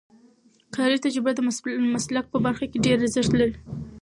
کاري تجربه د مسلک په برخه کې ډېر ارزښت لري.